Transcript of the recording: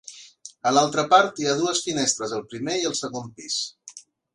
A l'altra part hi ha dues finestres al primer i al segon pis.